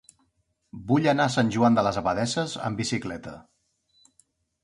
Vull anar a Sant Joan de les Abadesses amb bicicleta.